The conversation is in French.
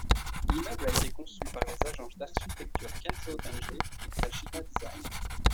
L'immeuble a été conçu par les agences d'architecture Kenzo Tange et Kajima Design.